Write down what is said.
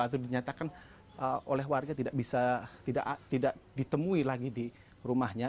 atau dinyatakan oleh warga tidak bisa tidak ditemui lagi di rumahnya